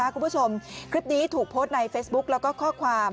คลิปนี้ถูกโพสต์ในเฟซบุ๊คแล้วก็ข้อความ